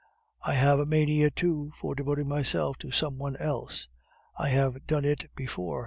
I have a mania, too, for devoting myself to some one else. I have done it before.